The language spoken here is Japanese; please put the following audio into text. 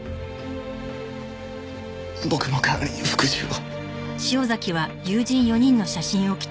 僕の代わりに復讐を。